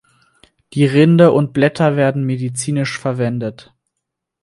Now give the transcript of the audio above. Die Rinde und Blätter werden medizinisch verwendet.